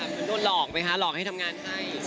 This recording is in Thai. เหมือนโดนหลอกไหมคะหลอกให้ทำงานให้